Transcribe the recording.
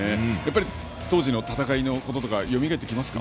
当時の戦いのこととかよみがえってきますか？